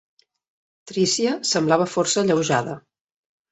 Tricia semblava força alleujada.